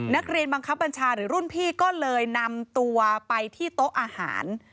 นักเรียนบังคับบัญชาหรือรุ่นพี่ก็เลยนำตัวไปที่โต๊ะอาหาร